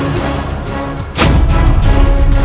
dia akan berhenti